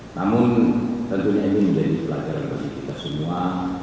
namun tentunya ini menjadi pelajaran bagi kita semua